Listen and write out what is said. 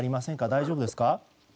大丈夫ですか。